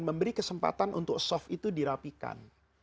memberi kesempatan untuk soft itu dirapikan